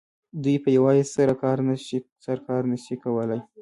دوی په یوازې سر کار نه شي کولای